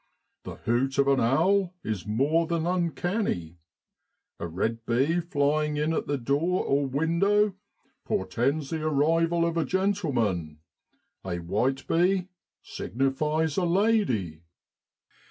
The hoot of an owl is more than uncanny; a red bee flying in at the door or window portends the arrival of a gentleman ; a white bee signifies a lady.